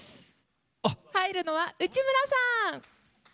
入るのは内村さん！